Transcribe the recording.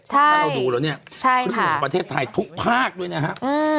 ถ้าเราดูแล้วเนี่ยเรื่องของประเทศไทยทุกภาคด้วยนะครับ